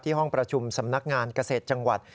ห้องประชุมสำนักงานเกษตรจังหวัด